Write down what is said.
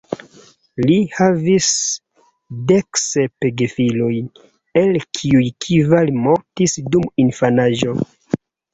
Li havis deksep gefilojn, el kiuj kvar mortis dum infanaĝo.